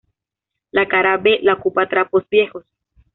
La cara B la ocupa Trapos viejos.